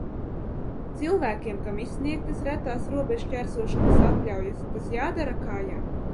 Cilvēkiem, kam izsniegtas retās robežšķērsošanas atļaujas, tas ir jādara kājām.